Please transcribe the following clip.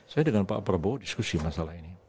saya dengan pak prabowo diskusi masalah ini